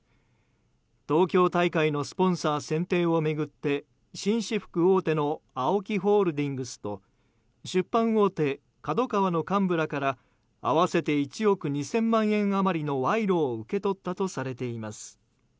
東京大会のスポンサー選定を巡って紳士服大手のＡＯＫＩホールディングスと出版大手ＫＡＤＯＫＡＷＡの幹部らから合わせて１億２０００万円余りの賄賂を受け取ったとされています。